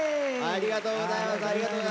ありがとうございます。